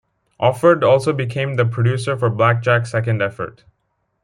Offord also became the producer for Blackjack's second effort.